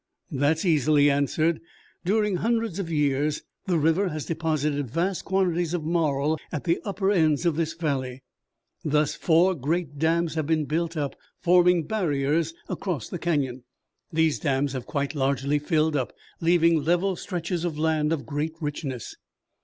"That's easily answered. During hundreds of years the river has deposited vast quantities of marl at the upper ends of this valley. Thus four great dams have been built up forming barriers across the canyon. These dams have quite largely filled up, leaving level stretches of land of great richness."